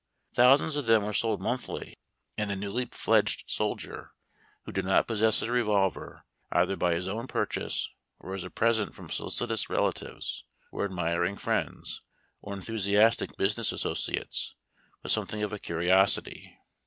Thousands of them were sold mbnthlv, and the newly 274 HARD TACK AND COFFEE. fledged soldier who did not possess a revolver, either by his own purchase, or as a present from solicitous rehitives, or admiring friends, or enthusiastic business associates, was something of a curiosity.